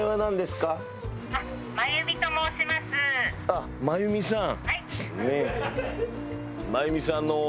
あっ真由美さん。